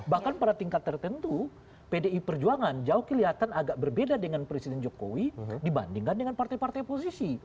bahkan pada tingkat tertentu pdi perjuangan jauh kelihatan agak berbeda dengan presiden jokowi dibandingkan dengan partai partai oposisi